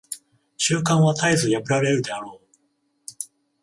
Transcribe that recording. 習慣は絶えず破られるであろう。